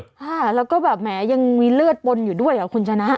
ค่ะแล้วก็แบบแหมยังมีเลือดปนอยู่ด้วยอ่ะคุณชนะ